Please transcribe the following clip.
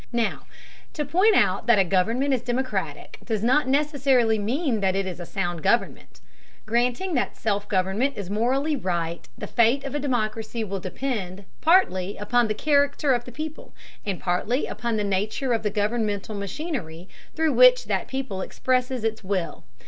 Now, to point out that a government is democratic does not necessarily mean that it is a sound government. Granting that self government is morally right, the fate of a democracy will depend, partly upon the character of the people, and partly upon the nature of the governmental machinery through which that people expresses its will.